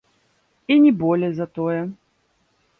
І не болей за тое.